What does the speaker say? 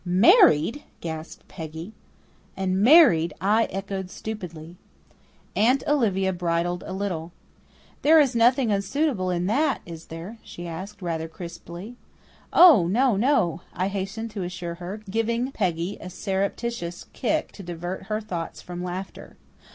"Married!" gasped Peggy. And "married!" I echoed stupidly. Aunt Olivia bridled a little. "There is nothing unsuitable in that, is there?" she asked, rather crisply. "Oh, no, no," I hastened to assure her, giving Peggy a surreptitious kick to divert her thoughts from laughter.